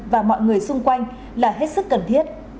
và mọi người xung quanh là hết sức cần thiết